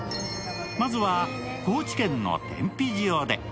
まずは、高知県の天日塩で。